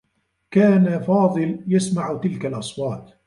كان فاضل يسمع تلك الأصوات.